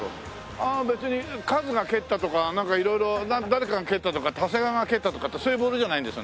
ああ別にカズが蹴ったとかなんか色々誰かが蹴ったとか長谷川が蹴ったとかってそういうボールじゃないんですね。